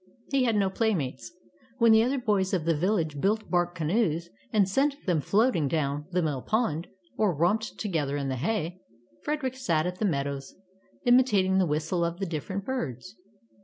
He had no playmates. When the other boys of the village built bark canoes, and sent them floating down the mill pond, or romped together in the hay, Frederick sat in the meadows, imitating the whistle of the different birds.